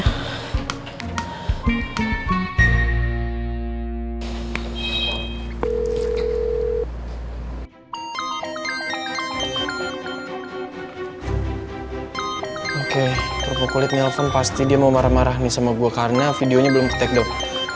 oke kerupuk kulit nelfon pasti dia mau marah marah nih sama gue karena videonya belum ketakedown